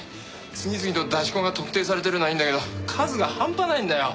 次々と出し子が特定されてるのはいいんだけど数が半端ないんだよ。